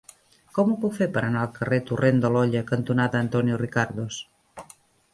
Com ho puc fer per anar al carrer Torrent de l'Olla cantonada Antonio Ricardos?